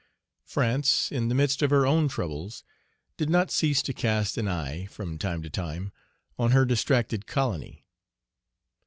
Page 61 France, in the midst of her own troubles, did not cease to cast an eye, from time to time, on her distracted colony.